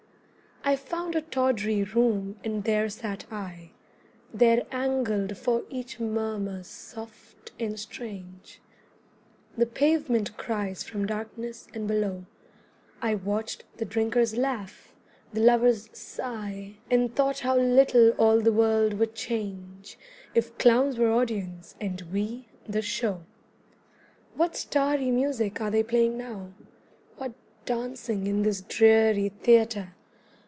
I found a tawdry room and there sat I, There angled for each murmur soft and strange, The pavement cries from darkness and below: I watched the drinkers laugh, the lovers sigh, And thought how little all the world would change If clowns were audience, and we the Show. What starry music are they playing now? What dancing in this dreary theatre?